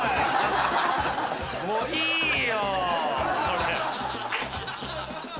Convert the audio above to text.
もういいよ！